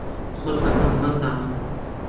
خۆت بە کەم مەزانە.